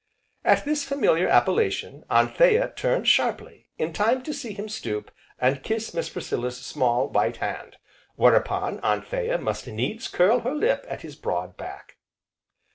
At this familiar appellation, Anthea turned sharply, in time to see him stoop, and kiss Miss Priscilla's small, white hand; whereupon Anthea must needs curl her lip at his broad back.